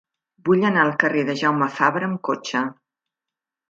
Vull anar al carrer de Jaume Fabra amb cotxe.